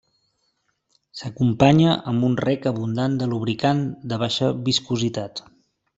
S'acompanya amb un reg abundant de lubricant de baixa viscositat.